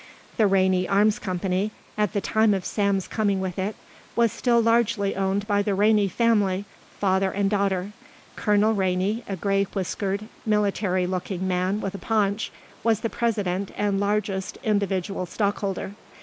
The Rainey Arms Company, at the time of Sam's coming with it, was still largely owned by the Rainey family, father and daughter. Colonel Rainey, a grey whiskered military looking man with a paunch, was the president and largest individual stockholder.